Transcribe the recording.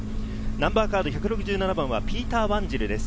ナンバーカード１６７番はピーター・ワンジルです。